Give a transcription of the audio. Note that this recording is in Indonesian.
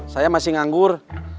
saya masih nganggur